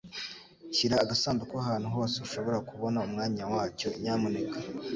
Shyira agasanduku ahantu hose ushobora kubona umwanya wacyo, nyamuneka.